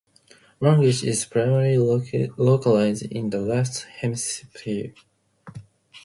Language is primarily localized in the left hemisphere.